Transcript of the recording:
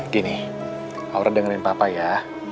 gini orang dengerin papa ya